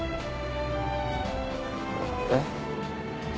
えっ。